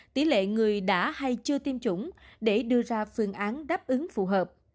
tỷ lệ người đã hay chưa tiêm chủng để đưa ra phương án đáp ứng phù hợp